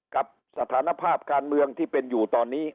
กับสถานภาพการเมืองที่เป็นอยู่ตอนนี้